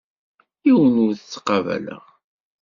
Yiwen ur t-ttqabaleɣ.